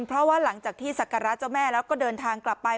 เพราะว่าหลังจากที่ศักระเจ้าแม่แล้วก็เดินทางกลับไป